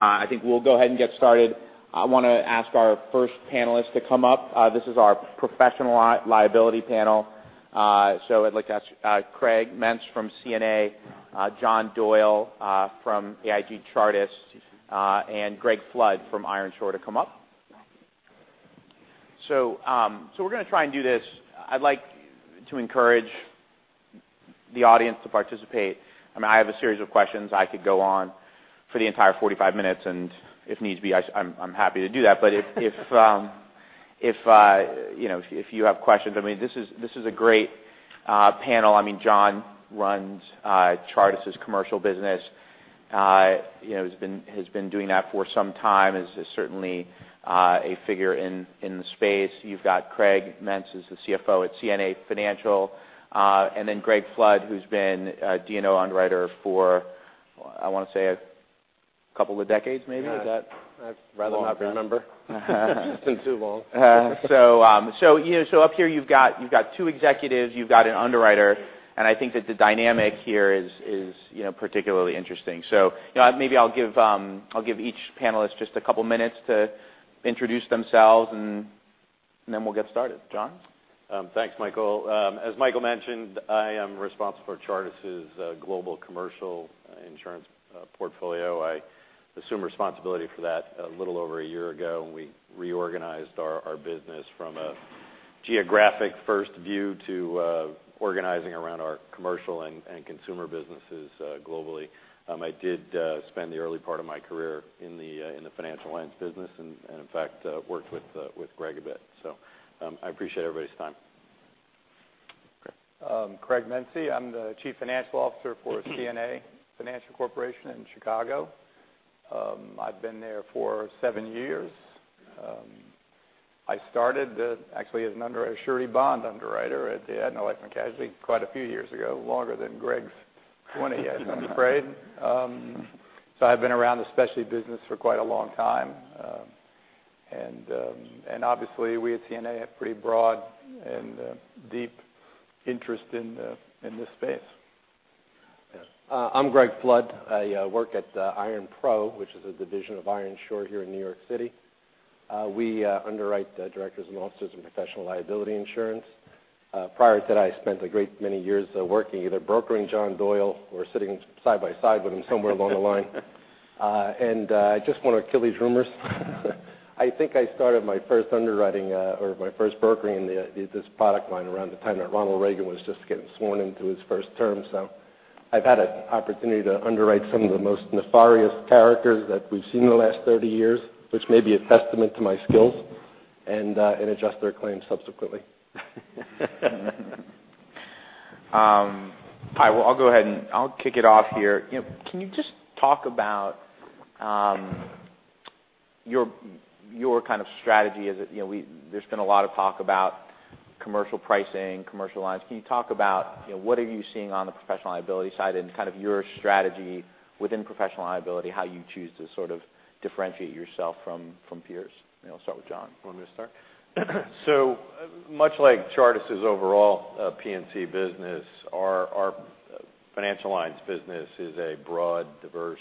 I think we'll go ahead and get started. I want to ask our first panelists to come up. This is our professional liability panel. I'd like to ask Craig Mense from CNA, John Doyle from AIG Chartis, and Greg Flood from Ironshore to come up. We're going to try and do this. I'd like to encourage the audience to participate. I have a series of questions. I could go on for the entire 45 minutes, and if needs be, I'm happy to do that. If you have questions, this is a great panel. John runs Chartis' commercial business, has been doing that for some time, is certainly a figure in the space. You've got Craig Mense, who's the CFO at CNA Financial. Greg Flood, who's been a D&O underwriter for, I want to say, a couple of decades maybe. Is that- I'd rather not remember. Long time. It's been too long. Up here you've got two executives, you've got an underwriter, and I think that the dynamic here is particularly interesting. Maybe I'll give each panelist just a couple of minutes to introduce themselves, and then we'll get started. John? Thanks, Michael. As Michael mentioned, I am responsible for Chartis' global commercial insurance portfolio. I assumed responsibility for that a little over a year ago when we reorganized our business from a geographic first view to organizing around our commercial and consumer businesses globally. I did spend the early part of my career in the financial lines business and, in fact, worked with Greg a bit. I appreciate everybody's time. Craig. Craig Mense. I'm the Chief Financial Officer for CNA Financial Corporation in Chicago. I've been there for seven years. I started actually as a surety bond underwriter at the Aetna Casualty and Surety Company quite a few years ago, longer than Greg's 20 years, I'm afraid. I've been around the specialty business for quite a long time. Obviously, we at CNA have pretty broad and deep interest in this space. Yeah. I'm Greg Flood. I work at IronPro, which is a division of Ironshore here in New York City. We underwrite directors and officers and professional liability insurance. Prior to that, I spent a great many years working either brokering John Doyle or sitting side by side with him somewhere along the line. I just want to kill these rumors. I think I started my first underwriting or my first brokering in this product line around the time that Ronald Reagan was just getting sworn into his first term. I've had an opportunity to underwrite some of the most nefarious characters that we've seen in the last 30 years, which may be a testament to my skills, and adjust their claims subsequently. All right, well, I'll go ahead and I'll kick it off here. Can you just talk about your kind of strategy? There's been a lot of talk about commercial pricing, commercial lines. Can you talk about what are you seeing on the professional liability side and kind of your strategy within professional liability, how you choose to sort of differentiate yourself from peers? I'll start with John. You want me to start? Much like Chartis' overall P&C business, our financial lines business is a broad, diverse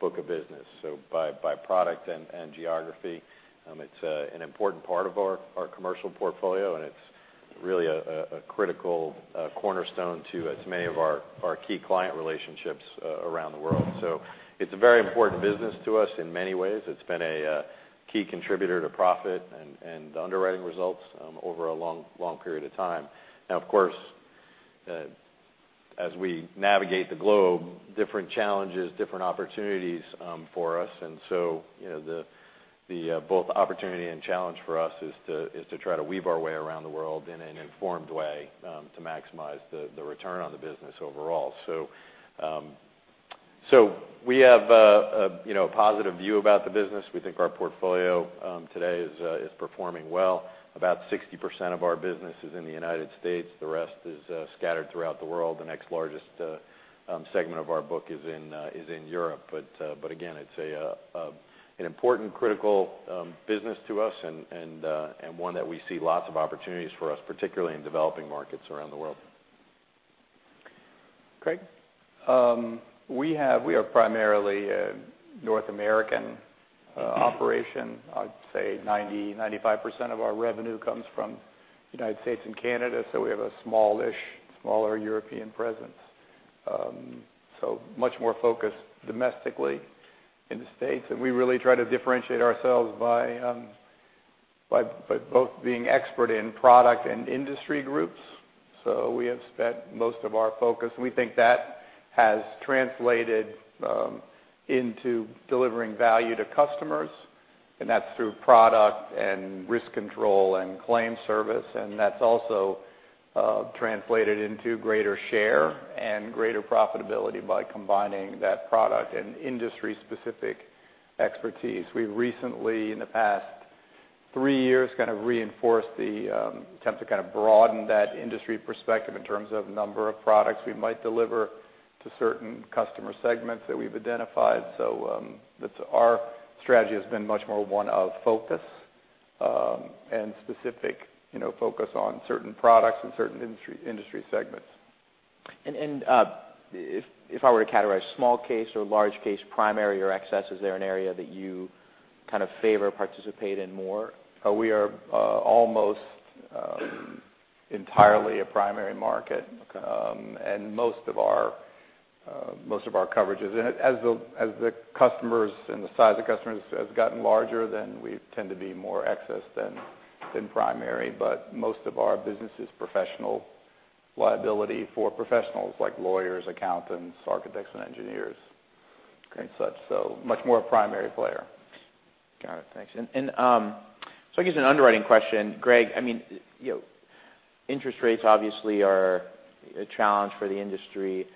book of business. By product and geography, it's an important part of our commercial portfolio, and it's really a critical cornerstone to as many of our key client relationships around the world. It's a very important business to us in many ways. It's been a key contributor to profit and underwriting results over a long period of time. Of course, as we navigate the globe, different challenges, different opportunities for us. Both opportunity and challenge for us is to try to weave our way around the world in an informed way to maximize the return on the business overall. We have a positive view about the business. We think our portfolio today is performing well. About 60% of our business is in the U.S. The rest is scattered throughout the world. The next largest segment of our book is in Europe. Again, it's an important, critical business to us and one that we see lots of opportunities for us, particularly in developing markets around the world. Craig? We are primarily a North American operation. I'd say 90%-95% of our revenue comes from the U.S. and Canada. We have a smaller European presence. Much more focused domestically in the States. We really try to differentiate ourselves by both being expert in product and industry groups. We have spent most of our focus. We think that has translated into delivering value to customers, and that's through product and risk control and claim service, and that's also translated into greater share and greater profitability by combining that product and industry-specific expertise. We recently, in the past three years, kind of reinforced the attempt to kind of broaden that industry perspective in terms of number of products we might deliver to certain customer segments that we've identified. Our strategy has been much more one of focus and specific focus on certain products and certain industry segments. If I were to categorize small case or large case primary or excess, is there an area that you kind of favor or participate in more? We are almost entirely a primary market. Okay. Most of our coverages, as the customers and the size of customers has gotten larger, then we tend to be more excess than primary. Most of our business is professional liability for professionals like lawyers, accountants, architects, and engineers and such. Much more a primary player. Got it. Thanks. I guess an underwriting question, Greg. Interest rates obviously are a challenge for the industry.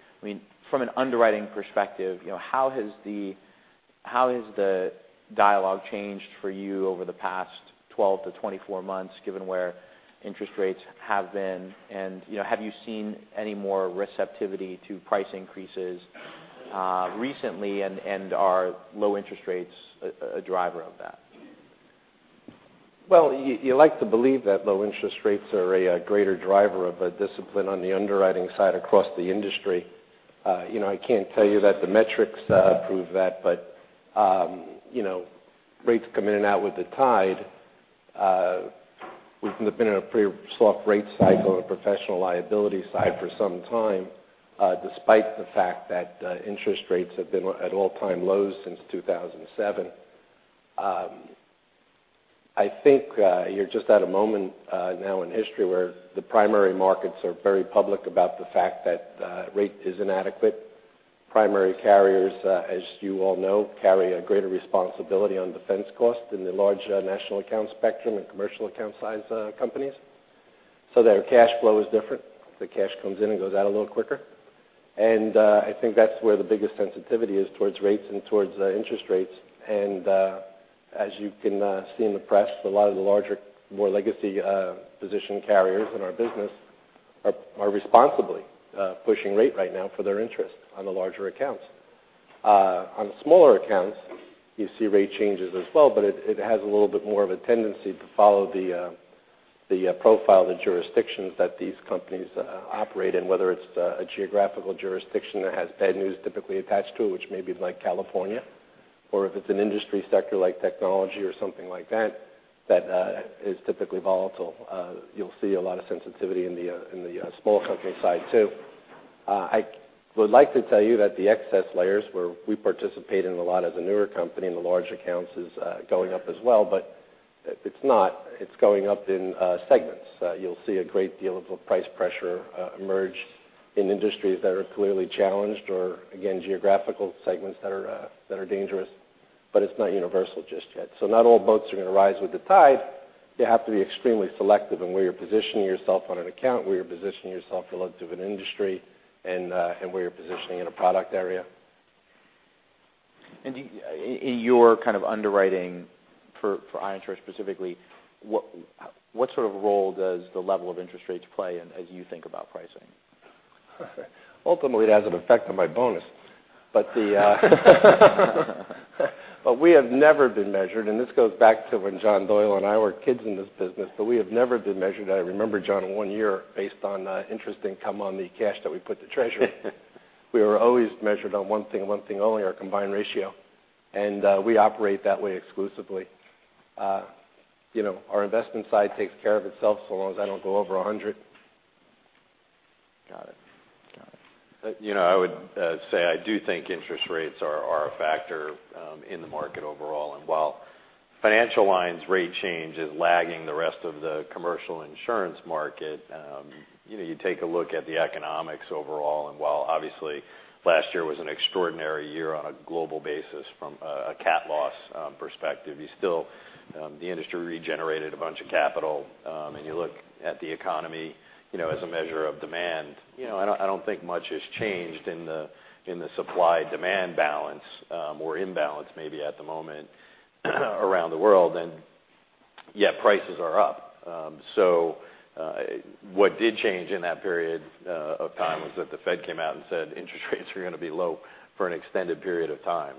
From an underwriting perspective, how has the dialogue changed for you over the past 12 to 24 months, given where interest rates have been, and have you seen any more receptivity to price increases recently? Are low interest rates a driver of that? Well, you like to believe that low interest rates are a greater driver of a discipline on the underwriting side across the industry. I can't tell you that the metrics prove that, but rates come in and out with the tide. We've been in a pretty soft rate cycle on professional liability side for some time, despite the fact that interest rates have been at all-time lows since 2007. I think you're just at a moment now in history where the primary markets are very public about the fact that rate is inadequate. Primary carriers, as you all know, carry a greater responsibility on defense cost than the large national account spectrum and commercial account size companies. Their cash flow is different. The cash comes in and goes out a little quicker. I think that's where the biggest sensitivity is towards rates and towards interest rates. As you can see in the press, a lot of the larger, more legacy position carriers in our business are responsibly pushing rate right now for their interest on the larger accounts. On smaller accounts, you see rate changes as well, but it has a little bit more of a tendency to follow the profile of the jurisdictions that these companies operate in, whether it's a geographical jurisdiction that has bad news typically attached to it, which may be like California, or if it's an industry sector like technology or something like that that is typically volatile. You'll see a lot of sensitivity in the small company side, too. I would like to tell you that the excess layers where we participate in a lot as a newer company in the large accounts is going up as well, but it's not. It's going up in segments. You'll see a great deal of price pressure emerge in industries that are clearly challenged or, again, geographical segments that are dangerous. It's not universal just yet. Not all boats are going to rise with the tide. You have to be extremely selective in where you're positioning yourself on an account, where you're positioning yourself relative an industry, and where you're positioning in a product area. In your kind of underwriting for IronPro specifically, what sort of role does the level of interest rates play in as you think about pricing? Ultimately, it has an effect on my bonus. We have never been measured, and this goes back to when John Doyle and I were kids in this business, but we have never been measured, I remember, John, one year based on interest income on the cash that we put to treasury. We were always measured on one thing and one thing only, our combined ratio, and we operate that way exclusively. Our investment side takes care of itself so long as I don't go over 100. Got it. I would say I do think interest rates are a factor in the market overall. While financial lines rate change is lagging the rest of the commercial insurance market, you take a look at the economics overall, and while obviously last year was an extraordinary year on a global basis from a cat loss perspective, the industry regenerated a bunch of capital. You look at the economy as a measure of demand. I don't think much has changed in the supply-demand balance, or imbalance maybe at the moment around the world, and yet prices are up. What did change in that period of time was that the Fed came out and said interest rates are going to be low for an extended period of time.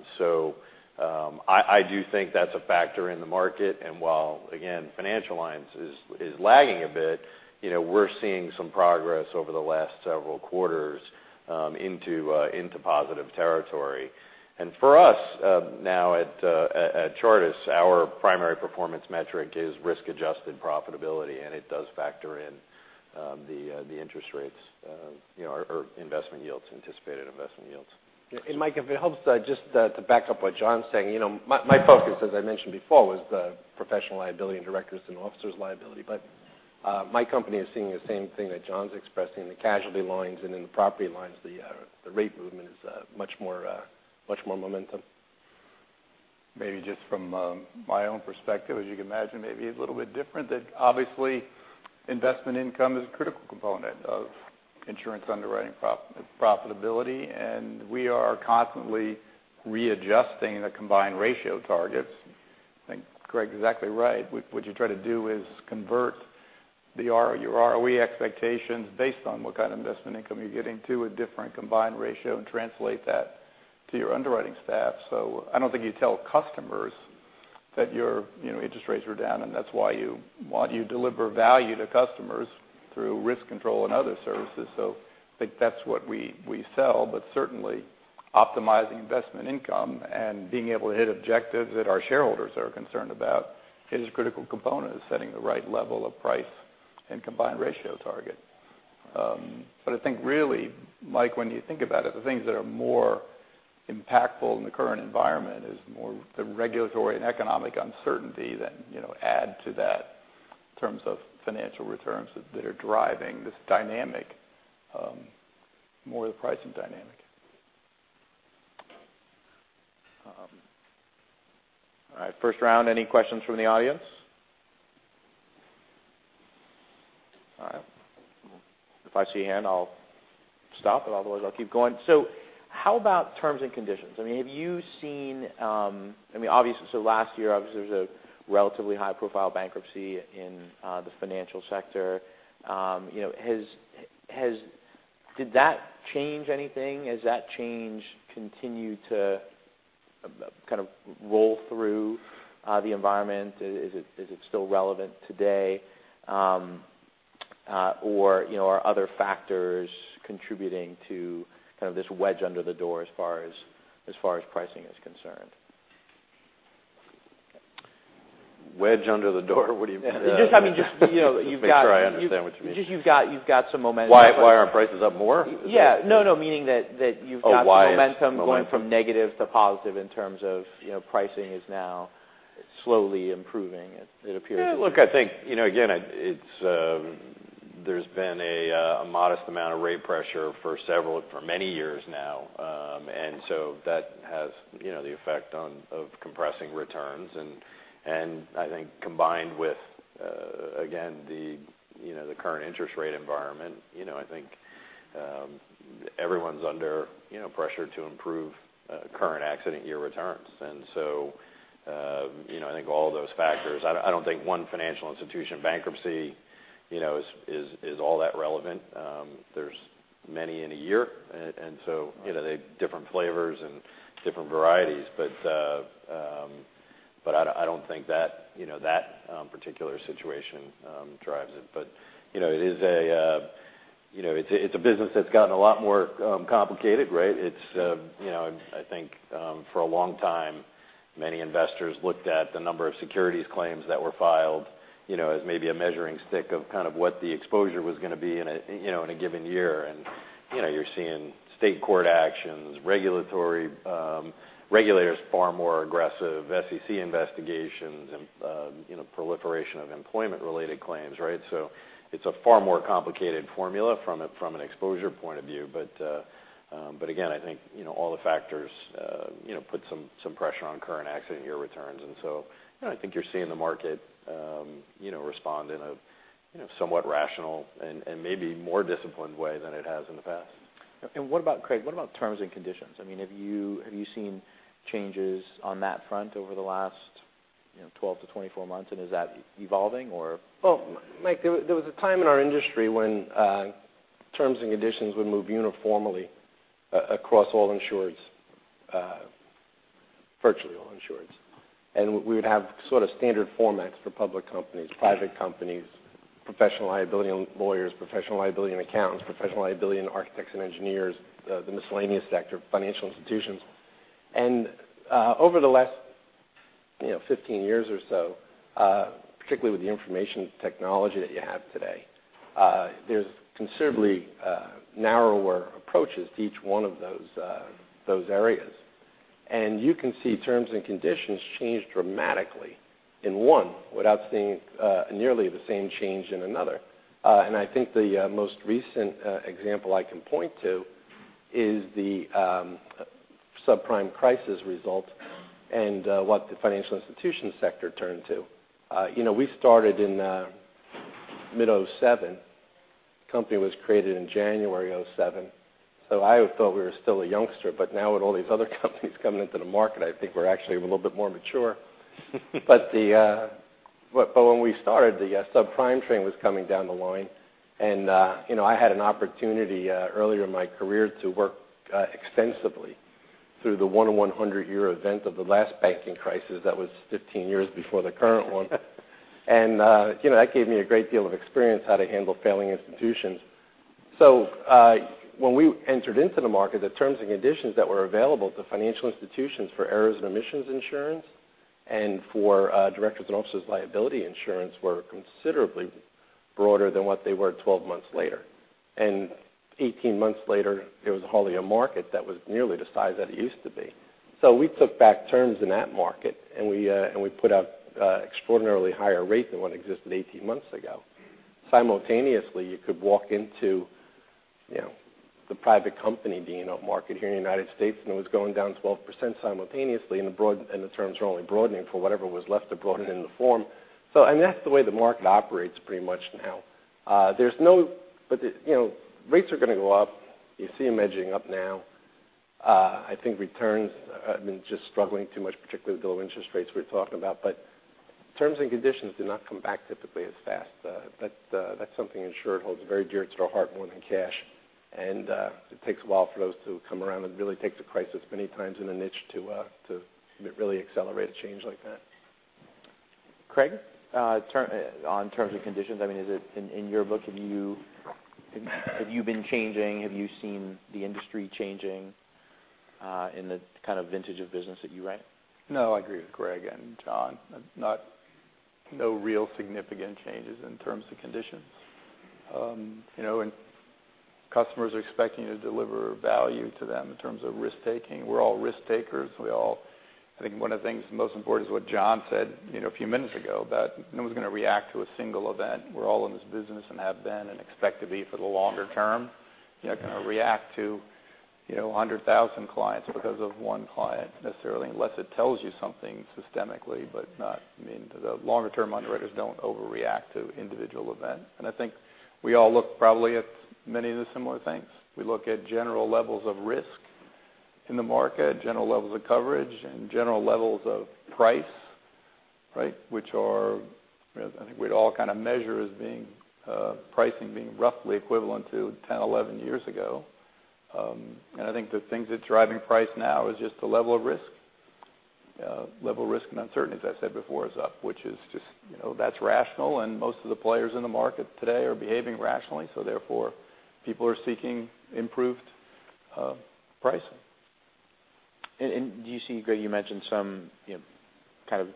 I do think that's a factor in the market. While, again, financial lines is lagging a bit, we're seeing some progress over the last several quarters into positive territory. For us now at Chartis, our primary performance metric is risk-adjusted profitability, it does factor in the interest rates or investment yields, anticipated investment yields. Mike, if it helps just to back up what John's saying, my focus, as I mentioned before, was the professional liability and directors and officers liability. My company is seeing the same thing that John's expressing. The casualty lines and in the property lines, the rate movement is much more momentum. Maybe just from my own perspective, as you can imagine, maybe a little bit different. That obviously investment income is a critical component of insurance underwriting profitability, and we are constantly readjusting the combined ratio targets. I think Greg's exactly right. What you try to do is convert your ROE expectations based on what kind of investment income you're getting to a different combined ratio and translate that to your underwriting staff. I don't think you tell customers That your interest rates are down, that's why you deliver value to customers through risk control and other services. I think that's what we sell, certainly optimizing investment income and being able to hit objectives that our shareholders are concerned about is a critical component of setting the right level of price and combined ratio target. I think really, Mike, when you think about it, the things that are more impactful in the current environment is more the regulatory and economic uncertainty that add to that in terms of financial returns that are driving this dynamic, more the pricing dynamic. All right. First round, any questions from the audience? All right. If I see a hand, I'll stop, but otherwise, I'll keep going. How about terms and conditions? Last year, obviously, there's a relatively high-profile bankruptcy in the financial sector. Did that change anything? Has that change continued to kind of roll through the environment? Is it still relevant today? Are other factors contributing to kind of this wedge under the door as far as pricing is concerned? Wedge under the door? What do you mean? Just, I mean- Just make sure I understand what you mean. You've got some momentum. Why aren't prices up more? Yeah. No, meaning that you've got. Oh, why it's. momentum going from negative to positive in terms of pricing is now slowly improving. It appears to be. Look, I think, again, there's been a modest amount of rate pressure for many years now. That has the effect of compressing returns. I think combined with, again, the current interest rate environment, I think everyone's under pressure to improve current accident year returns. I think all of those factors. I don't think one financial institution bankruptcy is all that relevant. There's many in a year. They're different flavors and different varieties. I don't think that particular situation drives it. It's a business that's gotten a lot more complicated, right? I think for a long time, many investors looked at the number of securities claims that were filed as maybe a measuring stick of kind of what the exposure was going to be in a given year. You're seeing state court actions, regulators far more aggressive, SEC investigations and proliferation of employment-related claims, right? It's a far more complicated formula from an exposure point of view. Again, I think all the factors put some pressure on current accident year returns. I think you're seeing the market respond in a somewhat rational and maybe more disciplined way than it has in the past. Craig, what about terms and conditions? Have you seen changes on that front over the last 12-24 months, is that evolving or? Well, Mike, there was a time in our industry when terms and conditions would move uniformly across all insurers, virtually all insurers. We would have sort of standard formats for public companies, private companies, professional liability lawyers, professional liability and accountants, professional liability and architects and engineers, the miscellaneous sector, financial institutions. Over the last 15 years or so, particularly with the information technology that you have today, there's considerably narrower approaches to each one of those areas. You can see terms and conditions change dramatically in one without seeing nearly the same change in another. I think the most recent example I can point to is the subprime crisis result and what the financial institution sector turned to. We started in mid 2007. The company was created in January 2007, I thought we were still a youngster, but now with all these other companies coming into the market, I think we're actually a little bit more mature. When we started, the subprime train was coming down the line, I had an opportunity earlier in my career to work extensively through the one in 100 year event of the last banking crisis that was 15 years before the current one. That gave me a great deal of experience how to handle failing institutions. When we entered into the market, the terms and conditions that were available to financial institutions for errors and omissions insurance and for directors' and officers' liability insurance were considerably broader than what they were 12 months later. 18 months later, it was hardly a market that was nearly the size that it used to be. We took back terms in that market, we put out extraordinarily higher rate than what existed 18 months ago. Simultaneously, you could walk into the private company D&O market here in the U.S., it was going down 12% simultaneously, the terms were only broadening for whatever was left to broaden in the form. That's the way the market operates pretty much now. Rates are going to go up. You see them edging up now. I think returns have been just struggling too much, particularly with low interest rates we're talking about. Terms and conditions do not come back typically as fast. That's something an insurer holds very dear to their heart more than cash. It takes a while for those to come around. It really takes a crisis many times in a niche to really accelerate a change like that. Craig, on terms and conditions, in your book, have you been changing? Have you seen the industry changing in the kind of vintage of business that you write? No, I agree with Greg and John. No real significant changes in terms and conditions. Customers are expecting to deliver value to them in terms of risk-taking. We're all risk-takers. I think one of the things most important is what John said a few minutes ago, about no one's going to react to a single event. We're all in this business and have been and expect to be for the longer term. You're not going to react to 100,000 clients because of one client, necessarily, unless it tells you something systemically. The longer-term underwriters don't overreact to individual events. I think we all look probably at many of the similar things. We look at general levels of risk in the market, general levels of coverage, and general levels of price, which I think we'd all kind of measure as pricing being roughly equivalent to 10, 11 years ago. I think the things that's driving price now is just the level of risk. Level of risk and uncertainty, as I said before, is up, which is just rational, and most of the players in the market today are behaving rationally, so therefore, people are seeking improved pricing. Do you see, Greg, you mentioned some kind of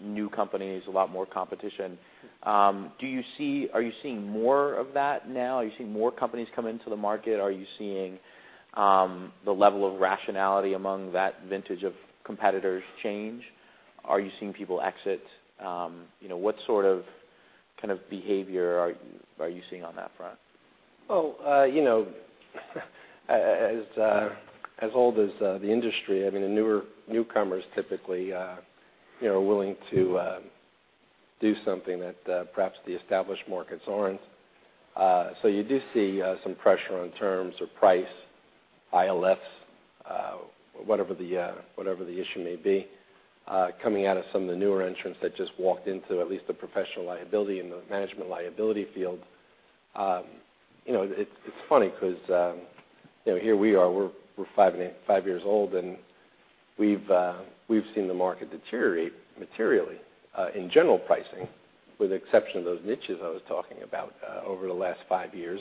new companies, a lot more competition. Are you seeing more of that now? Are you seeing more companies come into the market? Are you seeing the level of rationality among that vintage of competitors change? Are you seeing people exit? What sort of behavior are you seeing on that front? As old as the industry, the newcomers typically are willing to do something that perhaps the established markets aren't. You do see some pressure on terms or price, ILFs, whatever the issue may be, coming out of some of the newer entrants that just walked into at least the professional liability and the management liability field. It's funny because here we are, we're five years old, and we've seen the market deteriorate materially in general pricing, with the exception of those niches I was talking about, over the last five years.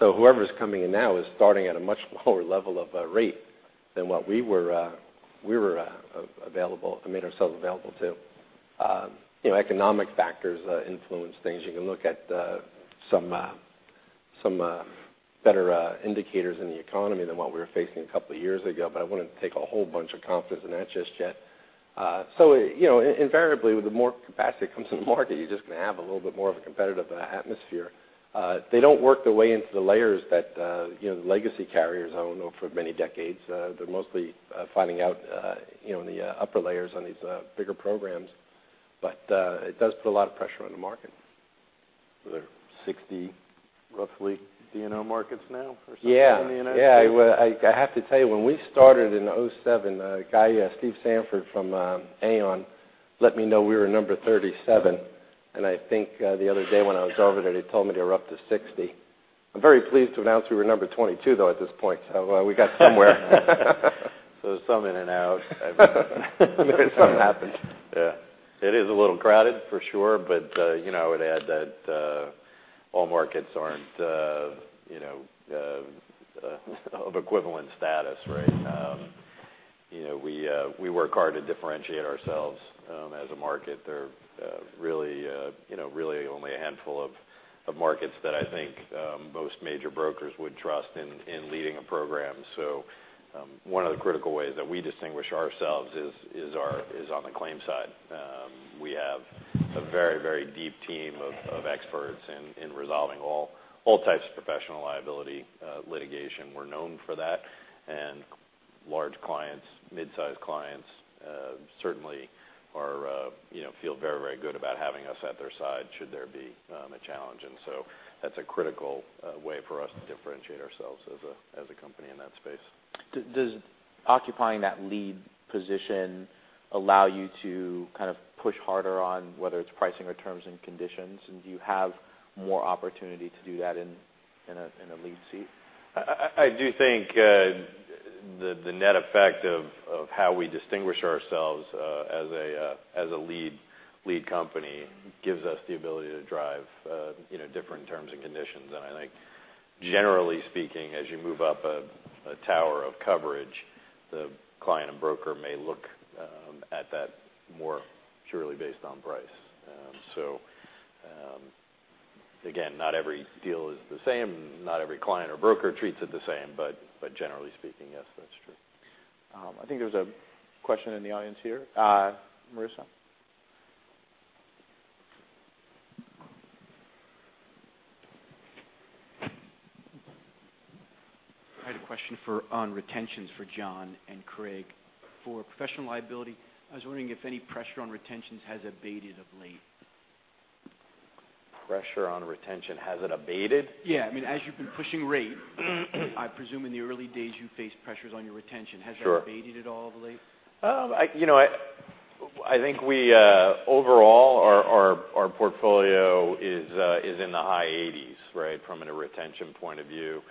Whoever's coming in now is starting at a much lower level of rate than what we made ourselves available to. Economic factors influence things. You can look at some better indicators in the economy than what we were facing a couple of years ago, but I wouldn't take a whole bunch of confidence in that just yet. Invariably, with the more capacity that comes in the market, you're just going to have a little bit more of a competitive atmosphere. They don't work their way into the layers that the legacy carriers, I don't know, for many decades. They're mostly finding out in the upper layers on these bigger programs. It does put a lot of pressure on the market. There are 60, roughly, D&O markets now or so in the United States. Yeah. I have to tell you, when we started in 2007, a guy, Steve Sanford, from Aon, let me know we were number 37, and I think the other day when I was over there, they told me they were up to 60. I'm very pleased to announce we were number 22, though, at this point, we got somewhere. Some in and out. Something happened. Yeah. It is a little crowded, for sure. I would add that all markets aren't of equivalent status, right? We work hard to differentiate ourselves as a market. There are really only a handful of markets that I think most major brokers would trust in leading a program. One of the critical ways that we distinguish ourselves is on the claims side. We have a very, very deep team of experts in resolving all types of professional liability litigation. We're known for that, and large clients, midsize clients certainly feel very, very good about having us at their side should there be a challenge. That's a critical way for us to differentiate ourselves as a company in that space. Does occupying that lead position allow you to kind of push harder on whether it's pricing or terms and conditions? Do you have more opportunity to do that in a lead seat? I do think the net effect of how we distinguish ourselves as a lead company gives us the ability to drive different terms and conditions. I think generally speaking, as you move up a tower of coverage, the client and broker may look at that more purely based on price. Again, not every deal is the same. Not every client or broker treats it the same. Generally speaking, yes, that's true. I think there's a question in the audience here. Marissa? I had a question on retentions for John and Craig. For professional liability, I was wondering if any pressure on retentions has abated of late. Pressure on retention, has it abated? As you've been pushing rate, I presume in the early days you faced pressures on your retention. Sure. Has that abated at all of late? I think overall, our portfolio is in the high 80s from a retention point of view.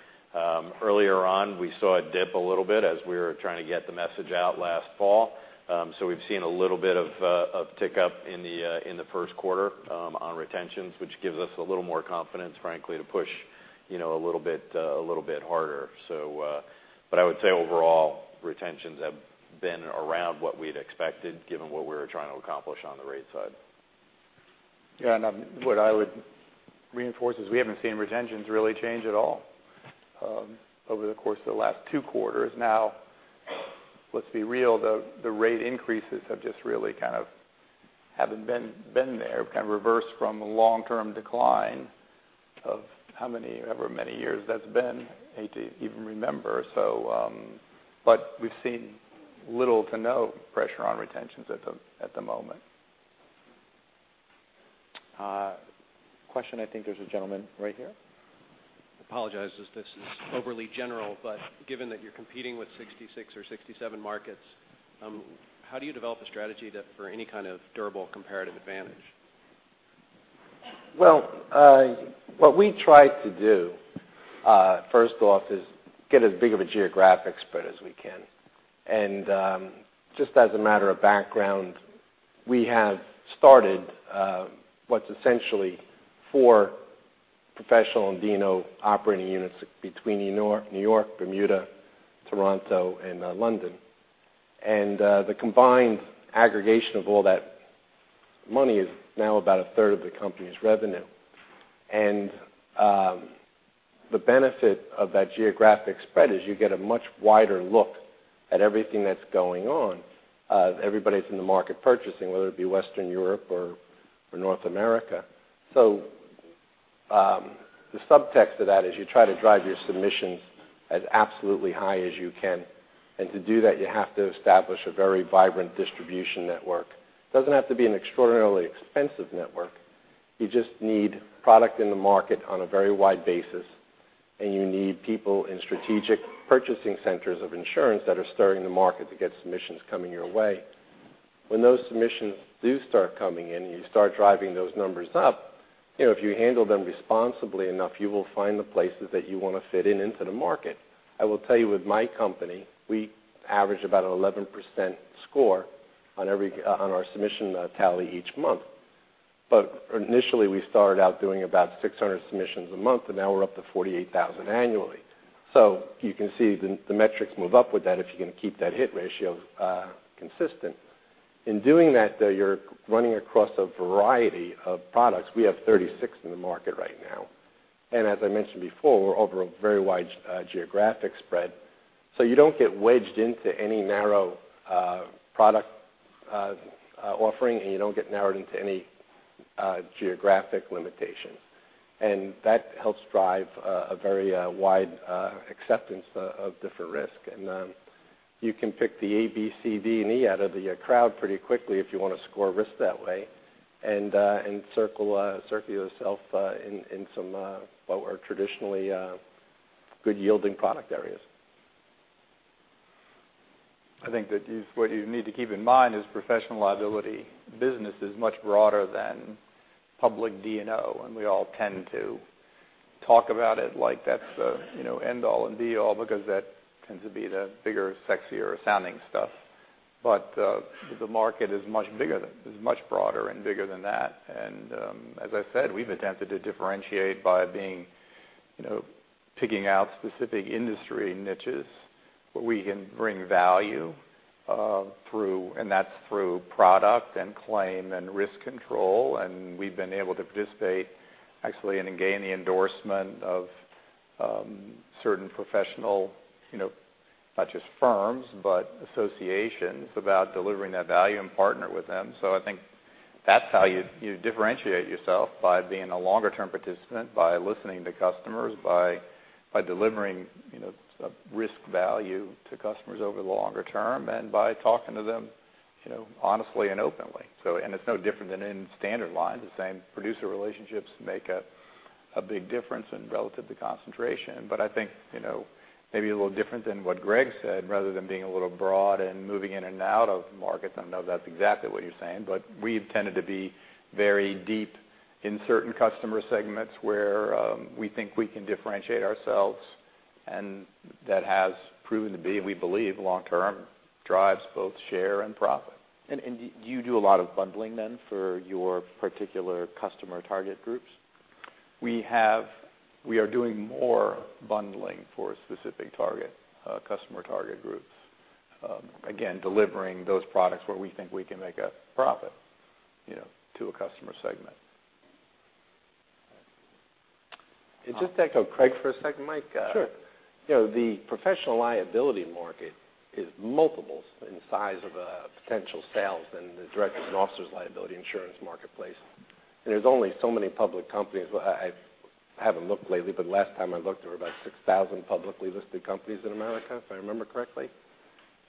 Earlier on, we saw it dip a little bit as we were trying to get the message out last fall. We've seen a little bit of tick up in the first quarter on retentions, which gives us a little more confidence, frankly, to push a little bit harder. I would say overall, retentions have been around what we'd expected given what we were trying to accomplish on the rate side. What I would reinforce is we haven't seen retentions really change at all over the course of the last two quarters. Now, let's be real, the rate increases have just really kind of haven't been there, kind of reversed from a long-term decline of however many years that's been. Hate to even remember. We've seen little to no pressure on retentions at the moment. Question, I think there's a gentleman right here. I apologize as this is overly general, given that you're competing with 66 or 67 markets, how do you develop a strategy for any kind of durable comparative advantage? Well, what we try to do, first off, is get as big of a geographic spread as we can. Just as a matter of background, we have started what's essentially four professional and D&O operating units between New York, Bermuda, Toronto, and London. The combined aggregation of all that money is now about a third of the company's revenue. The benefit of that geographic spread is you get a much wider look at everything that's going on, everybody that's in the market purchasing, whether it be Western Europe or North America. The subtext to that is you try to drive your submissions as absolutely high as you can. To do that, you have to establish a very vibrant distribution network. Doesn't have to be an extraordinarily expensive network. You just need product in the market on a very wide basis, you need people in strategic purchasing centers of insurance that are stirring the market to get submissions coming your way. When those submissions do start coming in, and you start driving those numbers up, if you handle them responsibly enough, you will find the places that you want to fit in into the market. I will tell you with my company, we average about an 11% score on our submission tally each month. Initially, we started out doing about 600 submissions a month, and now we're up to 48,000 annually. You can see the metrics move up with that if you can keep that hit ratio consistent. In doing that, though, you're running across a variety of products. We have 36 in the market right now. As I mentioned before, we're over a very wide geographic spread, you don't get wedged into any narrow product offering, you don't get narrowed into any geographic limitations. That helps drive a very wide acceptance of different risk. You can pick the A, B, C, D, and E out of the crowd pretty quickly if you want to score risk that way and circle yourself in some what were traditionally good yielding product areas. I think that what you need to keep in mind is professional liability business is much broader than public D&O, we all tend to talk about it like that's the end all and be all because that tends to be the bigger, sexier sounding stuff. The market is much broader and bigger than that. As I said, we've attempted to differentiate by picking out specific industry niches where we can bring value, that's through product and claim and risk control. We've been able to participate actually and gain the endorsement of certain professional, not just firms, but associations about delivering that value and partner with them. I think that's how you differentiate yourself, by being a longer-term participant, by listening to customers, by delivering risk value to customers over the longer term, and by talking to them honestly and openly. It's no different than in standard lines. The same producer relationships make a big difference in relative to concentration. I think maybe a little different than what Greg said, rather than being a little broad and moving in and out of markets. I don't know if that's exactly what you're saying, but we've tended to be very deep in certain customer segments where we think we can differentiate ourselves, that has proven to be, and we believe long-term, drives both share and profit. Do you do a lot of bundling then for your particular customer target groups? We are doing more bundling for specific customer target groups. Again, delivering those products where we think we can make a profit to a customer segment. Just to echo Craig for a second, Mike. Sure. The professional liability market is multiples in size of potential sales than the directors and officers liability insurance marketplace. There's only so many public companies. I haven't looked lately, but last time I looked, there were about 6,000 publicly listed companies in America, if I remember correctly.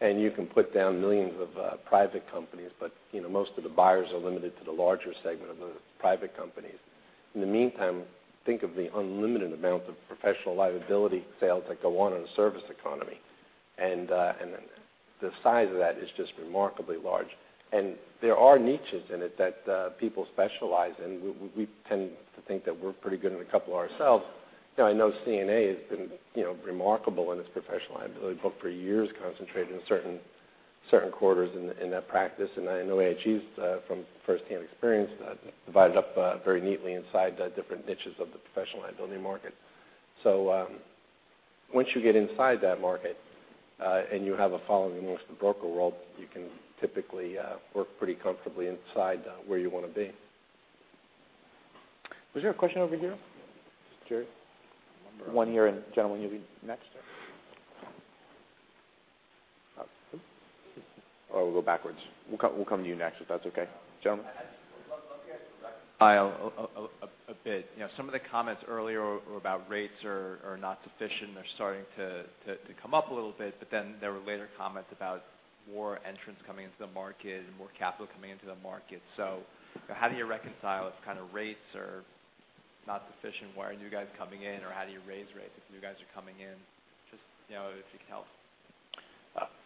You can put down millions of private companies, but most of the buyers are limited to the larger segment of the private companies. In the meantime, think of the unlimited amount of professional liability sales that go on in the service economy. The size of that is just remarkably large. There are niches in it that people specialize in. We tend to think that we're pretty good in a couple ourselves. I know CNA has been remarkable in its professional liability book for years, concentrating on certain quarters in that practice. I know AIG's from first-hand experience, divided up very neatly inside the different niches of the professional liability market. Once you get inside that market, and you have a following amongst the broker world, you can typically work pretty comfortably inside where you want to be. Was there a question over here? Jerry? One here, and gentleman, you'll be next, sir. We'll go backwards. We'll come to you next, if that's okay. Gentleman. I'd love to get some background a bit. Some of the comments earlier were about rates are not sufficient. They're starting to come up a little bit, there were later comments about more entrants coming into the market and more capital coming into the market. How do you reconcile if rates are not sufficient? Why are you guys coming in, how do you raise rates if you guys are coming in? Just if you could help.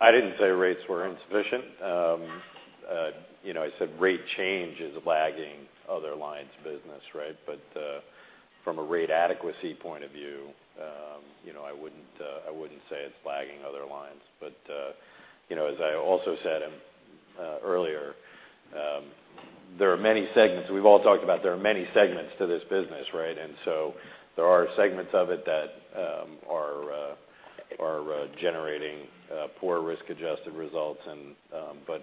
I didn't say rates were insufficient. I said rate change is lagging other lines of business, right? From a rate adequacy point of view, I wouldn't say it's lagging other lines. As I also said earlier, there are many segments. We've all talked about there are many segments to this business, right? There are segments of it that are generating poor risk-adjusted results, but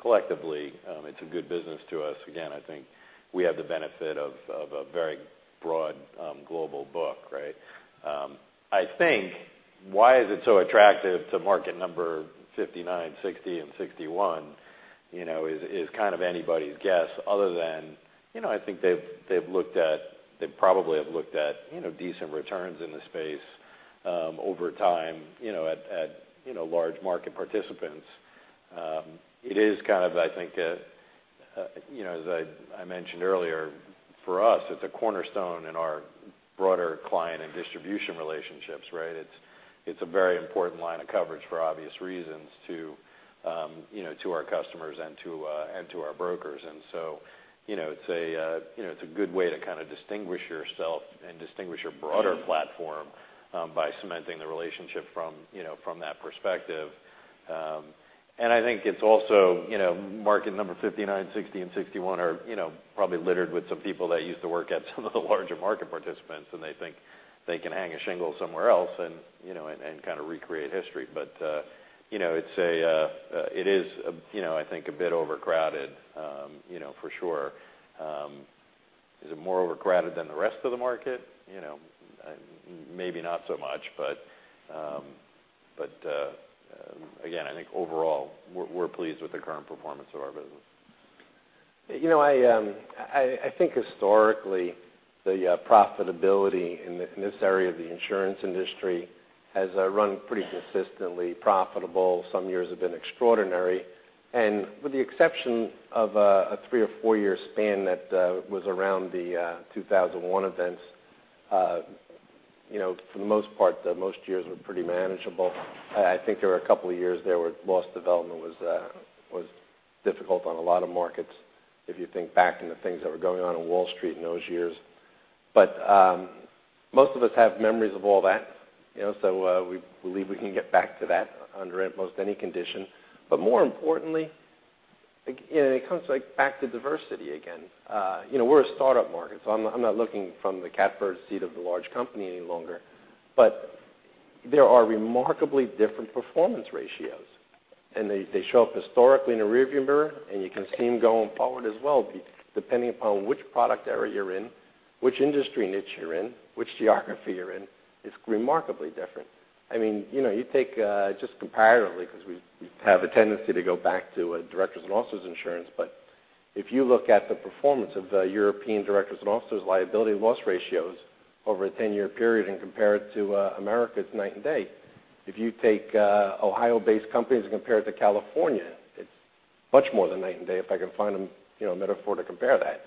collectively, it's a good business to us. Again, I think we have the benefit of a very broad global book, right? I think why is it so attractive to market number 59, 60, and 61 is kind of anybody's guess other than I think they probably have looked at decent returns in the space over time at large market participants. It is kind of, I think as I mentioned earlier, for us, it's a cornerstone in our broader client and distribution relationships, right? It's a very important line of coverage for obvious reasons to our customers and to our brokers. It's a good way to kind of distinguish yourself and distinguish your broader platform by cementing the relationship from that perspective. I think it's also market number 59, 60, and 61 are probably littered with some people that used to work at some of the larger market participants, and they think they can hang a shingle somewhere else and kind of recreate history. It is I think a bit overcrowded for sure. Is it more overcrowded than the rest of the market? Maybe not so much, again, I think overall, we're pleased with the current performance of our business. I think historically, the profitability in this area of the insurance industry has run pretty consistently profitable. Some years have been extraordinary. With the exception of a three or four-year span that was around the 2001 events, for the most part, most years were pretty manageable. I think there were a couple of years there where loss development was difficult on a lot of markets if you think back into things that were going on in Wall Street in those years. Most of us have memories of all that, so we believe we can get back to that under almost any condition. More importantly, it comes back to diversity again. We're a startup market, so I'm not looking from the catbird seat of the large company any longer. There are remarkably different performance ratios, and they show up historically in a rearview mirror, and you can see them going forward as well, depending upon which product area you're in, which industry niche you're in, which geography you're in. It's remarkably different. You take just comparatively because we have a tendency to go back to directors and officers insurance. If you look at the performance of European directors and officers' liability loss ratios over a 10-year period and compare it to America, it's night and day. If you take Ohio-based companies and compare it to California, it's much more than night and day if I can find a metaphor to compare that.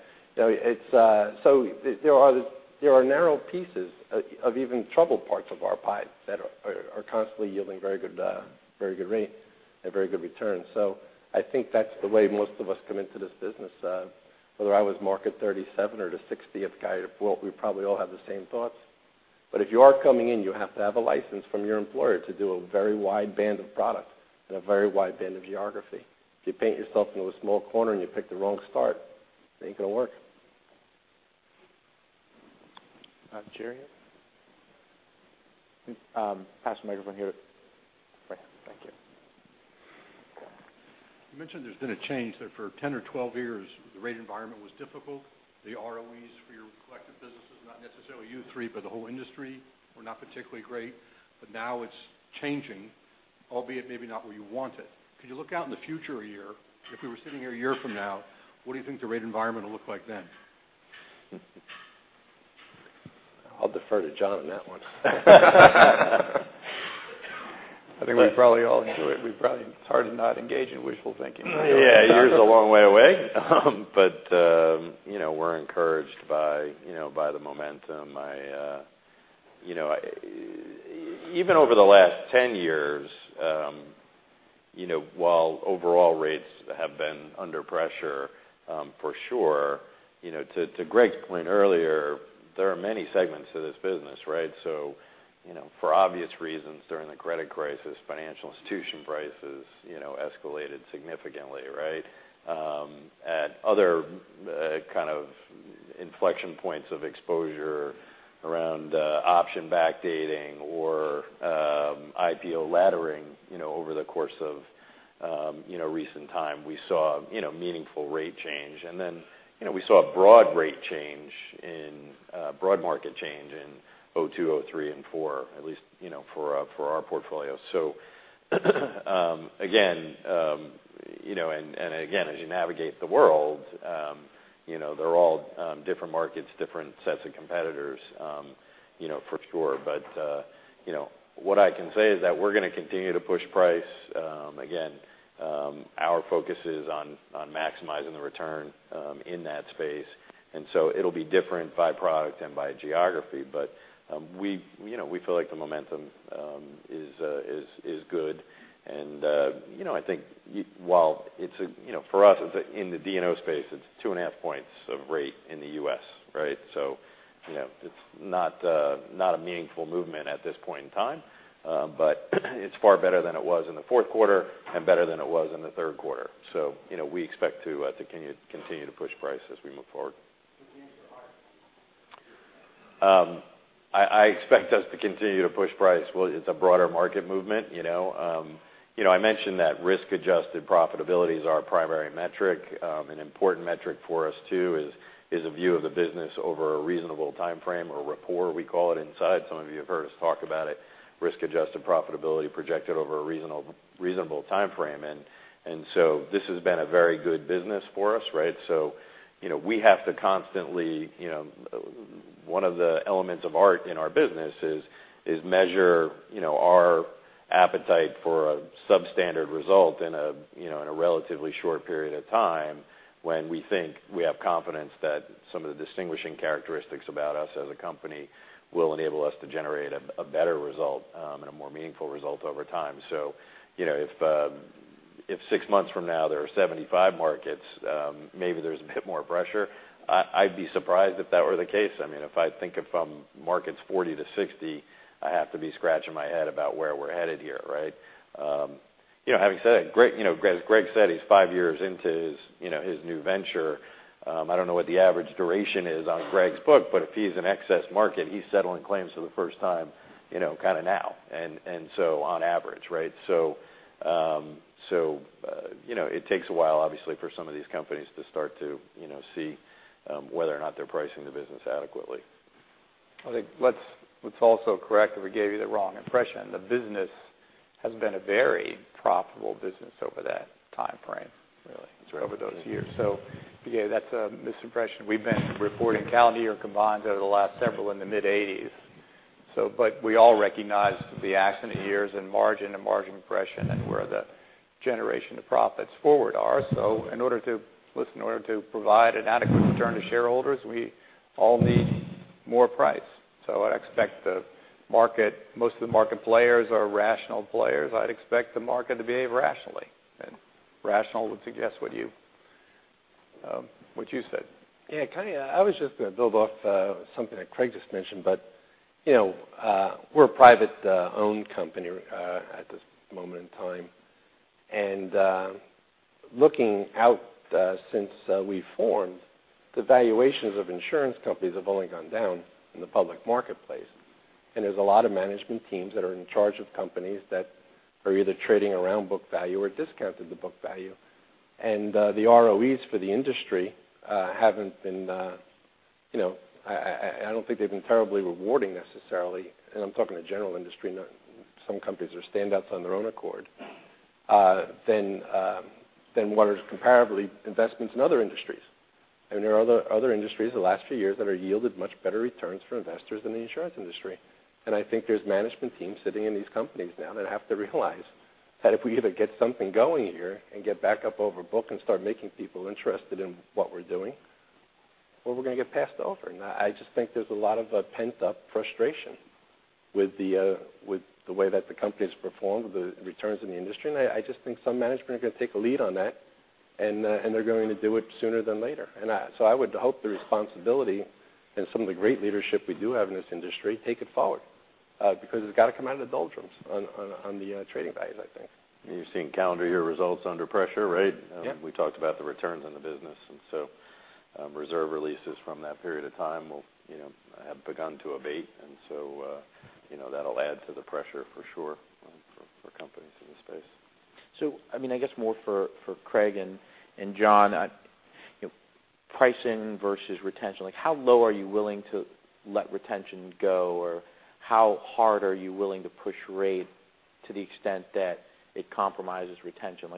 There are narrow pieces of even troubled parts of our pie that are constantly yielding very good rates and very good returns. I think that's the way most of us come into this business. Whether I was market 37 or the 60th guy, we probably all have the same thoughts. If you are coming in, you have to have a license from your employer to do a very wide band of product and a very wide band of geography. If you paint yourself into a small corner and you pick the wrong start, it ain't going to work. Jerry? Pass the microphone here. Right. Thank you. You mentioned there's been a change there for 10 or 12 years. The rate environment was difficult. The ROEs for your collective businesses, not necessarily you three, but the whole industry, were not particularly great. Now it's changing, albeit maybe not where you want it. Could you look out in the future a year? If we were sitting here a year from now, what do you think the rate environment will look like then? I'll defer to John on that one. I think we probably all do it. It's hard to not engage in wishful thinking. Yeah. A year's a long way away. We're encouraged by the momentum. Even over the last 10 years, while overall rates have been under pressure for sure, to Greg's point earlier, there are many segments to this business, right? For obvious reasons, during the credit crisis, financial institution prices escalated significantly, right? At other kind of inflection points of exposure around option backdating or IPO laddering over the course of recent time, we saw meaningful rate change. Then, we saw a broad rate change and broad market change in 2002, 2003, and 2004, at least for our portfolio. Again, as you navigate the world, they're all different markets, different sets of competitors for sure. What I can say is that we're going to continue to push price. Again, our focus is on maximizing the return in that space. It'll be different by product and by geography. We feel like the momentum is good, and I think for us, in the D&O space, it's 2.5 points of rate in the U.S., right? It's not a meaningful movement at this point in time. It's far better than it was in the fourth quarter and better than it was in the third quarter. We expect to continue to push price as we move forward. Continue to push. I expect us to continue to push price. Well, it's a broader market movement. I mentioned that risk-adjusted profitability is our primary metric. An important metric for us too is a view of the business over a reasonable timeframe or RAPOR, we call it inside. Some of you have heard us talk about it, risk-adjusted profitability projected over a reasonable timeframe. This has been a very good business for us, right? One of the elements of art in our business is measure our appetite for a substandard result in a relatively short period of time when we think we have confidence that some of the distinguishing characteristics about us as a company will enable us to generate a better result and a more meaningful result over time. If six months from now, there are 75 markets, maybe there's a bit more pressure. I'd be surprised if that were the case. If I think of from markets 40 to 60, I have to be scratching my head about where we're headed here, right? Having said that, as Greg said, he's five years into his new venture. I don't know what the average duration is on Greg's book, but if he's an excess market, he's settling claims for the first time now on average, right? It takes a while, obviously, for some of these companies to start to see whether or not they're pricing the business adequately. I think it's also correct if we gave you the wrong impression. The business has been a very profitable business over that timeframe. That's right over those years. Yeah, that's a misimpression. We've been reporting calendar year combines over the last several in the mid-80s. We all recognize the accident years and margin and margin compression and where the generation of profits forward are. In order to provide an adequate return to shareholders, we all need more price. Most of the market players are rational players. I'd expect the market to behave rationally, and rational would suggest what you said. Yeah. I was just going to build off something that Craig just mentioned. We're a private-owned company at this moment in time. Looking out since we formed, the valuations of insurance companies have only gone down in the public marketplace, and there's a lot of management teams that are in charge of companies that are either trading around book value or discounted to book value. The ROEs for the industry, I don't think they've been terribly rewarding necessarily, and I'm talking the general industry, not some companies are standouts on their own accord, than what is comparably investments in other industries. There are other industries the last few years that have yielded much better returns for investors than the insurance industry. I think there's management teams sitting in these companies now that have to realize that if we either get something going here and get back up over book and start making people interested in what we're doing, or we're going to get passed over. I just think there's a lot of pent-up frustration with the way that the company's performed with the returns in the industry. I just think some management are going to take a lead on that, and they're going to do it sooner than later. I would hope the responsibility and some of the great leadership we do have in this industry take it forward because it's got to come out of the doldrums on the trading values, I think. You're seeing calendar year results under pressure, right? Yeah. We talked about the returns on the business, reserve releases from that period of time have begun to abate. That'll add to the pressure for sure for companies in the space. I guess more for Craig and John. Pricing versus retention, how low are you willing to let retention go or how hard are you willing to push rate to the extent that it compromises retention?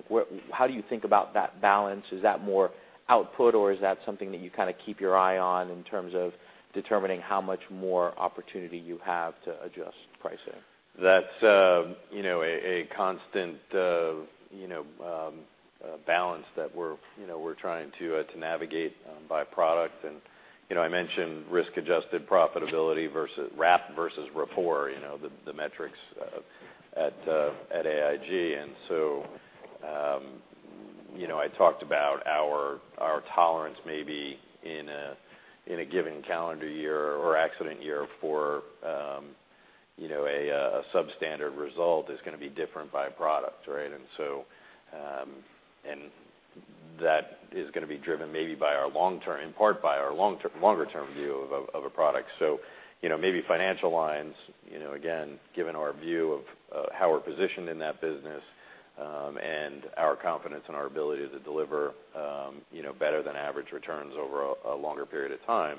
How do you think about that balance? Is that more output, or is that something that you kind of keep your eye on in terms of determining how much more opportunity you have to adjust pricing? That's a constant balance that we're trying to navigate by product. I mentioned risk-adjusted profitability versus RAP versus RAPOR, the metrics at AIG. I talked about our tolerance maybe in a given calendar year or accident year for a substandard result is going to be different by product, right? That is going to be driven maybe in part by our longer-term view of a product. Maybe financial lines, again, given our view of how we're positioned in that business, and our confidence in our ability to deliver better than average returns over a longer period of time,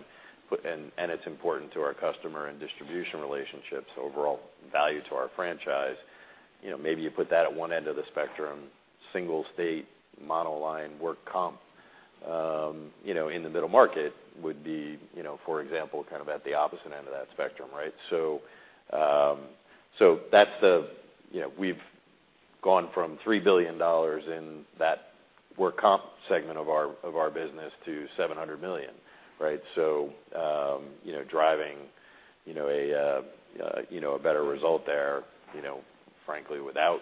and it's important to our customer and distribution relationships, overall value to our franchise. Maybe you put that at one end of the spectrum, single state monoline work comp in the middle market would be, for example, kind of at the opposite end of that spectrum, right? We've gone from $3 billion in that work comp segment of our business to $700 million, right? Driving a better result there frankly, without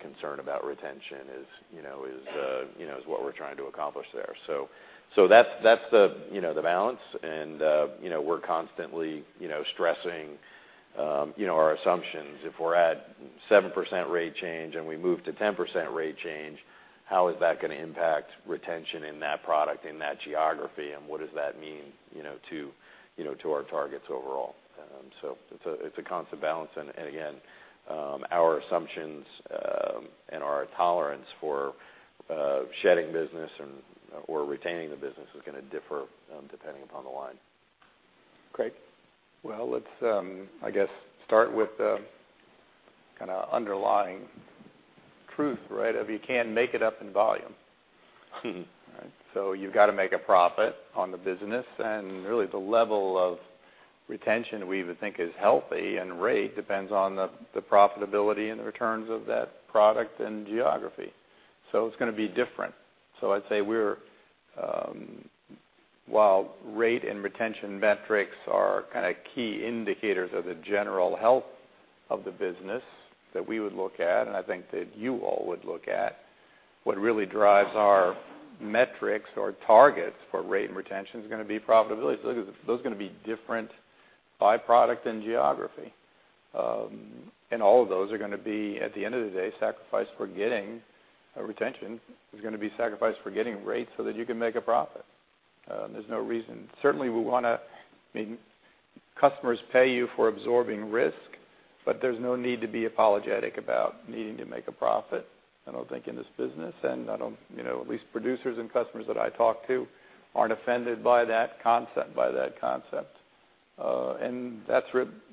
concern about retention is what we're trying to accomplish there. That's the balance, and we're constantly stressing our assumptions. If we're at 7% rate change and we move to 10% rate change, how is that going to impact retention in that product, in that geography, and what does that mean to our targets overall? It's a constant balance and, again, our assumptions, and our tolerance for shedding business or retaining the business is going to differ depending upon the line. Craig? Well, let's, I guess, start with the kind of underlying truth, right? Of you can't make it up in volume. Right? You've got to make a profit on the business, and really the level of retention we would think is healthy and rate depends on the profitability and the returns of that product and geography. It's going to be different. I'd say while rate and retention metrics are kind of key indicators of the general health of the business that we would look at, and I think that you all would look at, what really drives our metrics or targets for rate and retention is going to be profitability. Those are going to be different by product and geography. All of those are going to be, at the end of the day, sacrifice for getting a retention is going to be sacrifice for getting rates so that you can make a profit. There's no reason. Certainly, customers pay you for absorbing risk, but there's no need to be apologetic about needing to make a profit, I don't think, in this business, and at least producers and customers that I talk to aren't offended by that concept. That's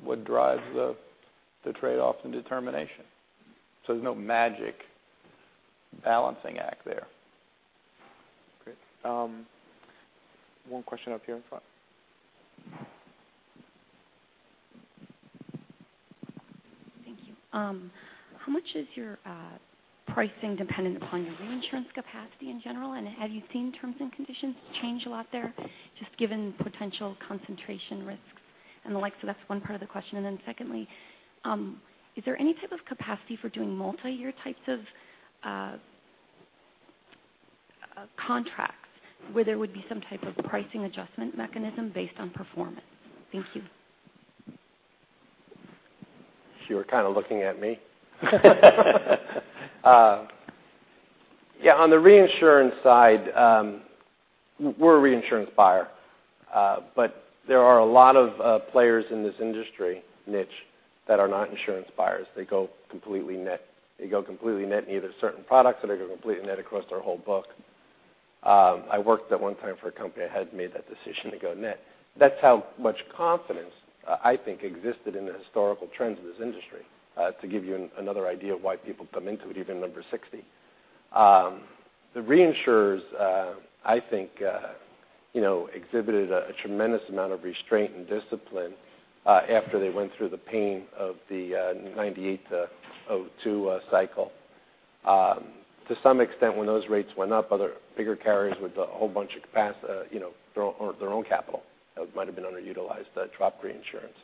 what drives the trade-offs and determination. There's no magic balancing act there. Great. One question up here in front. Thank you. How much is your pricing dependent upon your reinsurance capacity in general, and have you seen terms and conditions change a lot there, just given potential concentration risks and the like? That's one part of the question. Secondly, is there any type of capacity for doing multi-year types of contracts where there would be some type of pricing adjustment mechanism based on performance? Thank you. She was kind of looking at me. Yeah, on the reinsurance side, we're a reinsurance buyer. There are a lot of players in this industry niche that are not insurance buyers. They go completely net in either certain products, or they go completely net across their whole book. I worked at one time for a company that had made that decision to go net. That's how much confidence, I think, existed in the historical trends of this industry, to give you another idea of why people come into it, even number 60. The reinsurers, I think, exhibited a tremendous amount of restraint and discipline after they went through the pain of the '98 to '02 cycle. To some extent, when those rates went up, other bigger carriers with a whole bunch of capacity, their own capital that might've been underutilized, dropped reinsurance.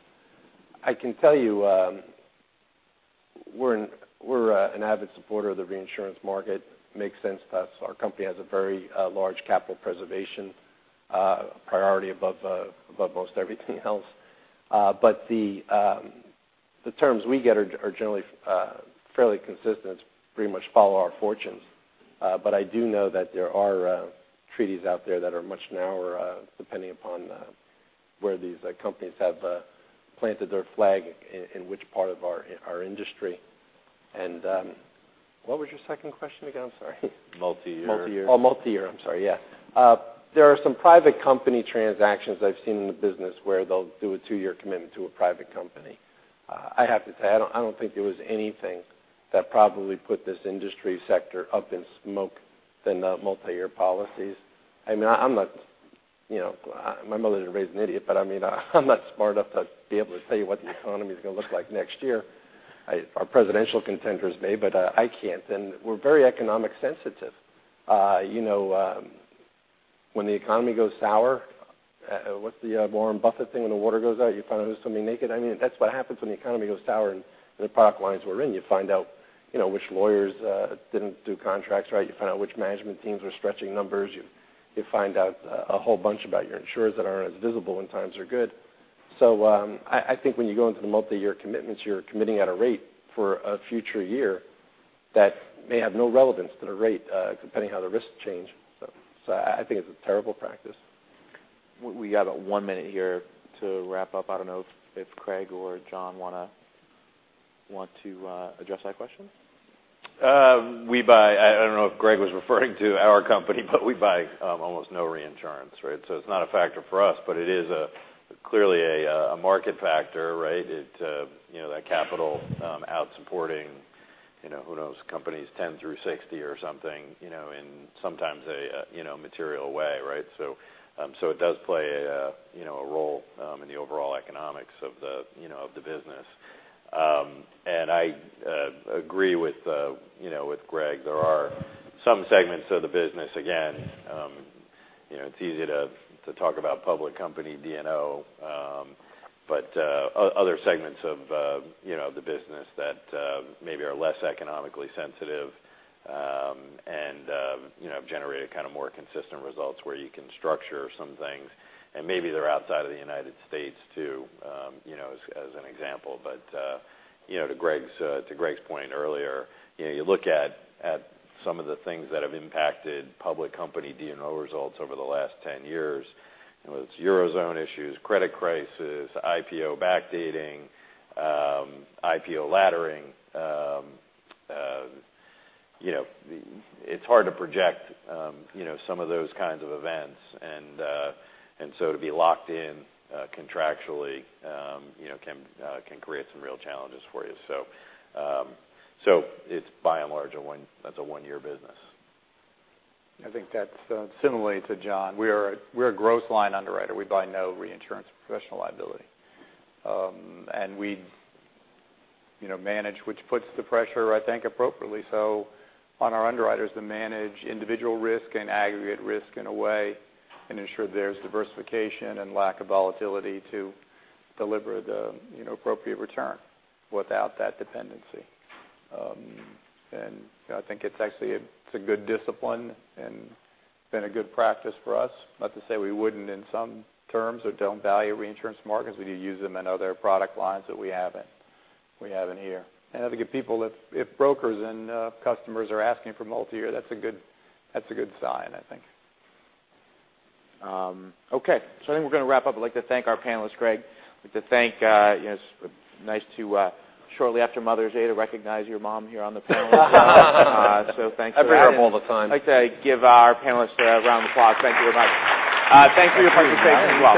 I can tell you, we're an avid supporter of the reinsurance market. Makes sense to us. Our company has a very large capital preservation priority above most everything else. The terms we get are generally fairly consistent, pretty much follow our fortunes. I do know that there are treaties out there that are much narrower, depending upon where these companies have planted their flag in which part of our industry. What was your second question again? I'm sorry. Multi-year. Multi-year. Oh, multi-year. I'm sorry, yeah. There are some private company transactions I've seen in the business where they'll do a 2-year commitment to a private company. I have to say, I don't think there was anything that probably put this industry sector up in smoke than the multi-year policies. My mother didn't raise an idiot, but I'm not smart enough to be able to tell you what the economy is going to look like next year. Our presidential contenders may, but I can't. We're very economic sensitive. When the economy goes sour, what's the Warren Buffett thing? When the water goes out, you find out who's swimming naked. That's what happens when the economy goes sour in the product lines we're in. You find out which lawyers didn't do contracts right. You find out which management teams were stretching numbers. You find out a whole bunch about your insurers that aren't as visible when times are good. I think when you go into the multi-year commitments, you're committing at a rate for a future year that may have no relevance to the rate, depending on how the risks change. I think it's a terrible practice. We got one minute here to wrap up. I don't know if Craig or John want to address that question. I don't know if Greg was referring to our company, but we buy almost no reinsurance, right? It's not a factor for us, but it is clearly a market factor, right? That capital out supporting, who knows, companies 10 through 60 or something, in sometimes a material way, right? It does play a role in the overall economics of the business. I agree with Greg. There are some segments of the business, again, it's easy to talk about public company D&O, but other segments of the business that maybe are less economically sensitive and have generated more consistent results where you can structure some things, and maybe they're outside of the U.S. too, as an example. To Greg's point earlier, you look at some of the things that have impacted public company D&O results over the last 10 years, whether it's Eurozone issues, credit crisis, IPO backdating, IPO laddering. It's hard to project some of those kinds of events. To be locked in contractually can create some real challenges for you. It's by and large, that's a one-year business. I think that's similar to John. We're a gross line underwriter. We buy no reinsurance professional liability. We manage, which puts the pressure, I think, appropriately so on our underwriters to manage individual risk and aggregate risk in a way and ensure there's diversification and lack of volatility to deliver the appropriate return without that dependency. I think it's actually a good discipline and been a good practice for us. Not to say we wouldn't in some terms or don't value reinsurance markets. We do use them in other product lines that we have in here. I think if brokers and customers are asking for multi-year, that's a good sign, I think. I think we're going to wrap up. I'd like to thank our panelist, Greg. It's nice to, shortly after Mother's Day, to recognize your mom here on the panel. Thanks. I bring her up all the time. I'd like to give our panelists a round of applause. Thank you very much. Thank you for your participation as well.